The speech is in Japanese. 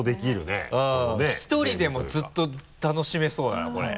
一人でもずっと楽しめそうだなこれ。